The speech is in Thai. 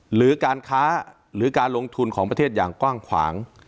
หรือการค้าหรือการลงทุนของประเทศอย่างกว้างขวาง